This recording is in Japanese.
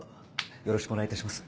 よろしくお願いします。